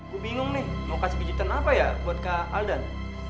gue bingung nih mau kasih bijitan apa ya buat kak aldan